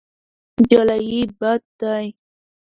جلايي بد دی.